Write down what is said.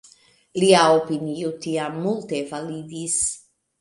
Lia opinio tiam multe validis.